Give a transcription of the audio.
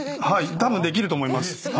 たぶんできると思います。